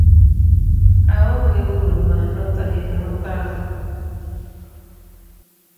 Aonge wuonwa, notho higa mokalo